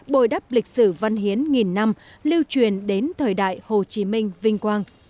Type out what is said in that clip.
bồi đắp lịch sử văn hiến nghìn năm lưu truyền đến thời đại hồ chí minh vinh quang